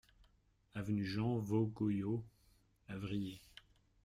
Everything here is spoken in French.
Avenue Jean Vaugoyau, Avrillé